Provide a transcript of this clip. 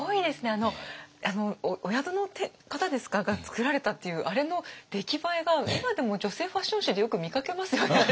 あのお宿の方が作られたっていうあれの出来栄えが今でも女性ファッション誌でよく見かけますよねあれ。